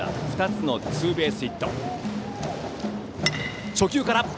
２つのツーベースヒット。